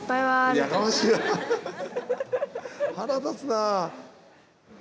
腹立つな。